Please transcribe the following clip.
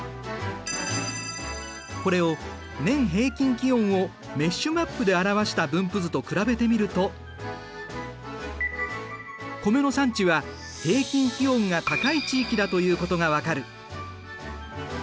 これを年平均気温をメッシュマップで表した分布図と比べてみると米の産地は平均気温が高い地域だということが分かる。